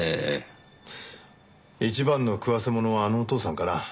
一番の食わせものはあのお父さんかな。